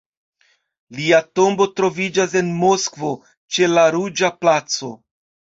Lia tombo troviĝas en Moskvo, ĉe la Ruĝa Placo.